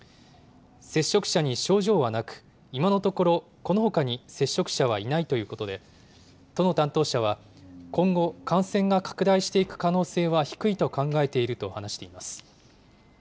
接触者に症状はなく、今のところこのほかに接触者はいないということで、都の担当者は今後、感染が拡大していく可能性は低いと考えていると話しています。